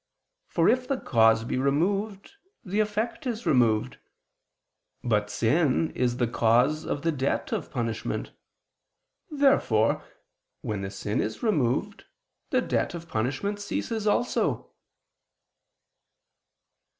For if the cause be removed the effect is removed. But sin is the cause of the debt of punishment. Therefore, when the sin is removed, the debt of punishment ceases also.